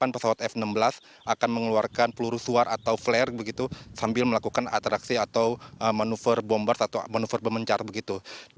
pesawat f enam belas akan mengeluarkan peluru suar atau flare begitu sambil melakukan atraksi atau manuver bombas atau manuver bemencar begitu